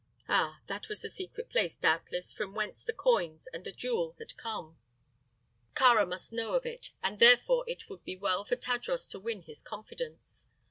Ah, that was the secret place, doubtless, from whence the coins and the jewel had come. Kāra must know of it, and therefore it would be well for Tadros to win his confidence.